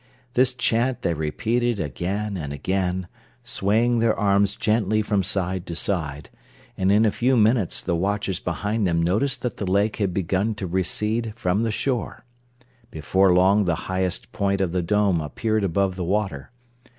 This chant they repeated again and again, swaying their arms gently from side to side, and in a few minutes the watchers behind them noticed that the lake had begun to recede from the shore. Before long the highest point of the dome appeared above the water.